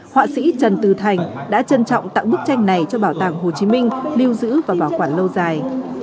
họa sĩ trần từ thành đã trân trọng tặng bức tranh này cho bảo tàng hồ chí minh lưu giữ và bảo quản lâu dài